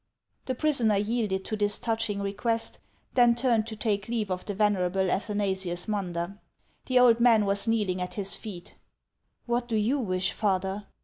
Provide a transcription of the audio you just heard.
The prisoner yielded to this touching request, then turned to take leave of the venerable Athanasius Munder. The old man was kneeling at his feet. " What do you wish, father